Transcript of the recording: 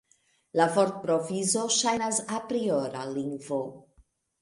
La vortprovizo ŝajnas apriora lingvo.